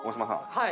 はい。